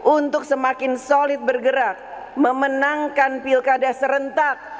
untuk semakin solid bergerak memenangkan pilkada serentak